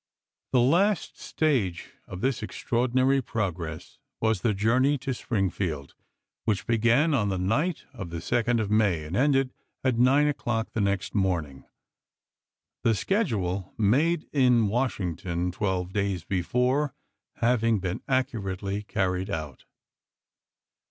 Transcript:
The last stage of this extraordinary progress was the journey to Springfield, which began on the night of the 2d of May and ended at nine o'clock i865. the next morning — the schedule made in Washing ton twelve days before having been accurately carried out.